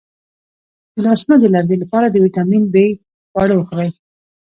د لاسونو د لرزې لپاره د ویټامین بي خواړه وخورئ